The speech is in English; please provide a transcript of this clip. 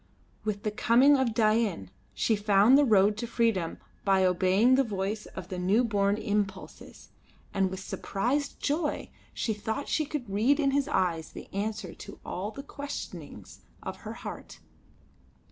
With the coming of Dain she found the road to freedom by obeying the voice of the new born impulses, and with surprised joy she thought she could read in his eyes the answer to all the questionings of her heart.